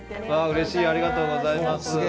うれしいありがとうございます。